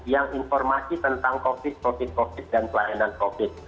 yang informasi tentang covid covid dan pelayanan covid